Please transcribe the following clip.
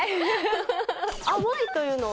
甘いというのは？